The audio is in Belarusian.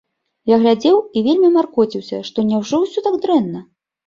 Я глядзеў і вельмі маркоціўся, што няўжо ўсё так дрэнна?